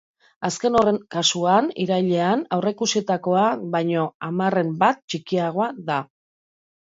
Azken horren kasuan, irailean aurreikusitakoa baino hamarren bat txikiagoa da.